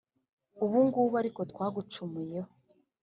ubu ngubu ariko twagucumuyeho